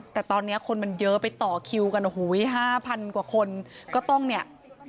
แต่ตอนนี้คนมันเยอะไปต่อคิวกันโอ้โห๕๐๐กว่าคนก็ต้องเนี่ย